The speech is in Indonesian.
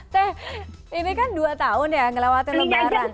teh ini kan dua tahun ya ngelewatin lebaran